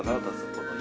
ここに。